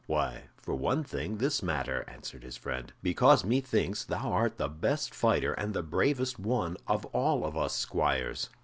"Why, for one thing, this matter," answered his friend; "because methinks thou art the best fighter and the bravest one of all of us squires."